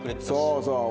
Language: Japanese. そうそう。